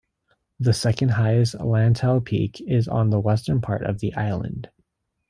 The second highest Lantau Peak is on the western part of the island.